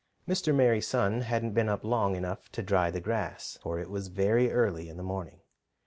Mr. Merry Sun hadn't been up long enough to dry the grass, for it was very early in the morning.